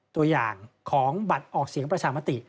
ตัวอย่างของบัตรออกเสียงประชามติ